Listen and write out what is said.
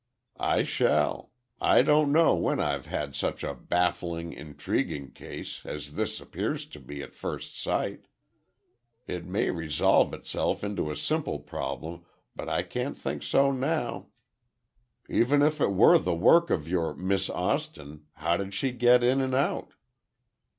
"I shall. I don't know when I've had such a baffling, intriguing case, as this appears to be at first sight. It may resolve itself into a simple problem, but I can't think so now. Even if it were the work of your Miss Austin—how did she get in and out?"